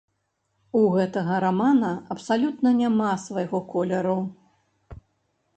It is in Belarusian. У гэтага рамана абсалютна няма свайго колеру.